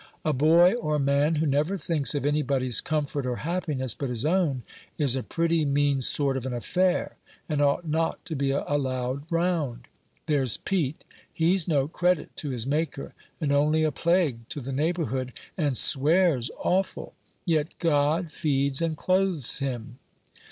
A boy or man, who never thinks of anybody's comfort or happiness but his own, is a pretty mean sort of an affair, and ought not to be allowed round. There's Pete; he's no credit to his Maker, and only a plague to the neighborhood, and swears awful; yet God feeds and clothes him."